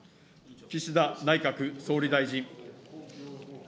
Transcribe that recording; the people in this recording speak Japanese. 岸田内閣総理大臣。